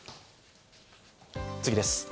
次です。